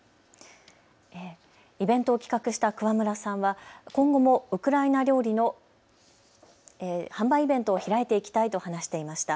イベントを企画した桑村さんは今後もウクライナ料理の販売イベントを開いていきたいと話していました。